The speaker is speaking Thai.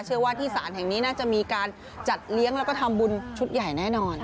เชื่อว่าที่ศาลแห่งนี้น่าจะมีการจัดเลี้ยงแล้วก็ทำบุญชุดใหญ่แน่นอน